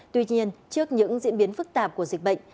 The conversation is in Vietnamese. tuy nhiên trước những diễn biến phức tạp của dịch bệnh